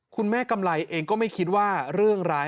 กำไรเองก็ไม่คิดว่าเรื่องร้าย